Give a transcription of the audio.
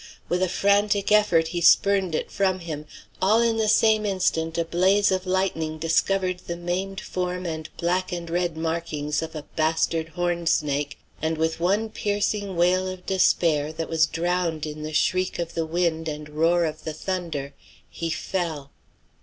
With a frantic effort he spurned it from him; all in the same instant a blaze of lightning discovered the maimed form and black and red markings of a "bastard hornsnake," and with one piercing wail of despair, that was drowned in the shriek of the wind and roar of the thunder, he fell.